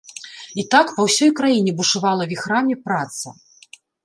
І так па ўсёй краіне бушавала віхрамі праца.